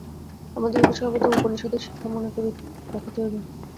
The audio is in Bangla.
আমাদিগকে সর্বদা উপনিষদের শিক্ষা মনে রাখিতে হইবে।